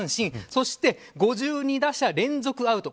そして、５２打者連続アウト。